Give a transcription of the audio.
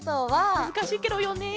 むずかしいケロよね。